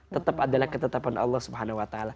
tetap adalah ketetapan allah swt